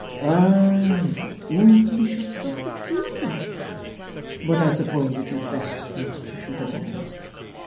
"Ah; you English are so peculiar. But I suppose it is best not to shoot a man.